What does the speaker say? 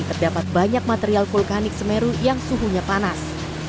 terdapat banyak material vulkanik semeru yang suhunya panas